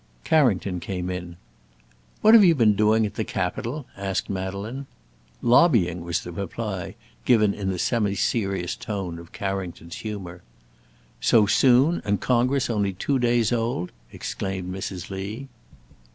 Carrington came in. "What have you been doing at the Capitol?" asked Madeleine. "Lobbying!" was the reply, given in the semi serious tone of Carrington's humour. "So soon, and Congress only two days old?" exclaimed Mrs. Lee.